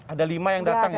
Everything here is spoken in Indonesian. ada lima yang datang ya